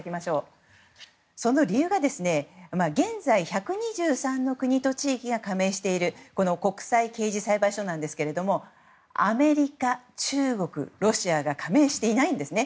その理由が、現在１２３の国と地域が加盟している国際刑事裁判所ですがアメリカ、中国、ロシアが加盟していないんですね。